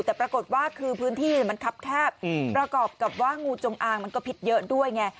แต่ปรากฏว่าคือพื้นที่มันคับแคบประกอบกับว่างูจงอางมันก็พิษเยอะด้วยไง